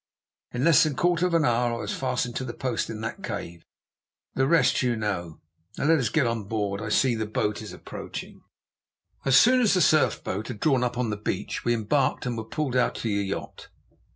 In less than a quarter of an hour I was fastened to the post in that cave. The rest you know. Now let us get on board; I see the boat is approaching." As soon as the surf boat had drawn up on the beach we embarked and were pulled out to the yacht.